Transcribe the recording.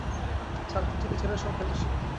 ছাত্রের চেয়ে টীচারের সংখ্যা বেশি।